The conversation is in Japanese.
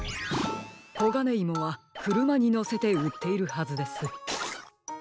コガネイモはくるまにのせてうっているはずです。